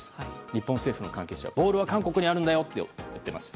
日本政府の関係者ボールは韓国にあるんだよと言っています。